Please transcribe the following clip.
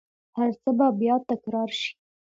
هرڅه به بیا تکرار شي